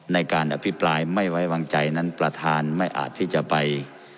ในการอภิปรายไม่ไว้วางใจนั้นประธานไม่อาจที่จะไป